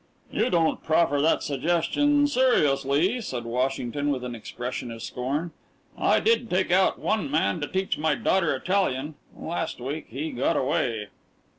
"You don't proffer that suggestion seriously," said Washington, with an expression of scorn. "I did take out one man to teach my daughter Italian. Last week he got away."